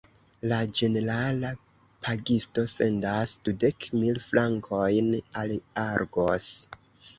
La ĝenerala pagisto sendas dudek mil frankojn al Argos.